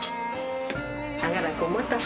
長らくお待たせ。